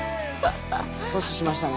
阻止しましたね